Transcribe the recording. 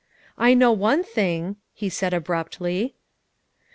"I know one thing," he said abruptly.